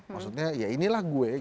maksudnya ya inilah gue